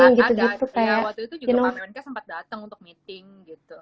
ada ada ada waktu itu juga pak menteri sempat datang untuk meeting gitu